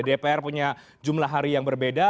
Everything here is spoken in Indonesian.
dpr punya jumlah hari yang berbeda